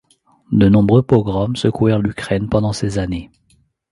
De nombreux pogroms secouèrent l'Ukraine pendant ces années.